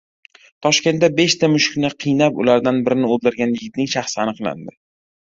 Toshkentda beshta mushukni qiynab, ulardan birini o‘ldirgan yigitning shaxsi aniqlandi